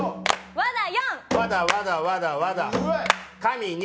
わだわだわだわだ、かみ２。